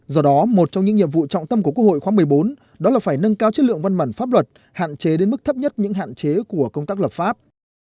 do đó một trong những nhiệm vụ trọng tâm của quốc hội khóa một mươi bốn đó là phải nâng cao chất lượng văn bản pháp luật hạn chế đến mức thấp nhất những hạn chế của công tác lập pháp